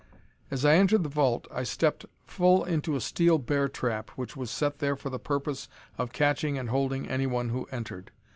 "As I entered the vault, I stepped full into a steel bear trap which was set there for the purpose of catching and holding anyone who entered.